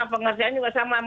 sama pengertiannya juga sama